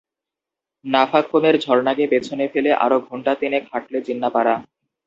নাফাখুমের ঝর্নাকে পেছনে ফেলে আরো ঘন্টা তিনেক হাঁটলে জিন্নাপাড়া।